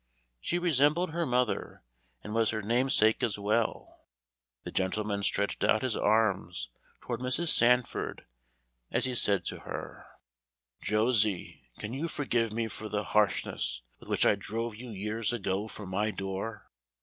She resembled her mother and was her namesake as well. The gentleman stretched out his arms toward Mrs. Sandford as he said to her: "Josie, can you forgive me for the harshness with which I drove you years ago from my door?